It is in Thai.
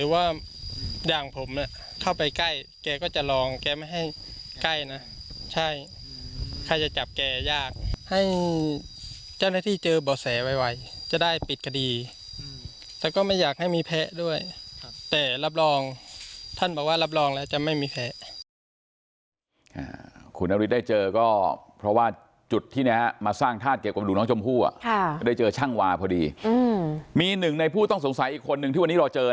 ว่าอย่างผมเข้าไปใกล้แกก็จะลองแกไม่ให้ใกล้นะใช่ใครจะจับแกยากให้เจ้าหน้าที่เจอเบาะแสไวจะได้ปิดคดีแต่ก็ไม่อยากให้มีแพ้ด้วยแต่รับรองท่านบอกว่ารับรองแล้วจะไม่มีแพ้คุณธริตได้เจอก็เพราะว่าจุดที่นี้มาสร้างทาสเกี่ยวกับลูกน้องชมพูได้เจอชั่งวาพอดีมีหนึ่งในผู้ต้องสงสัยอีกคนหนึ่งที่ว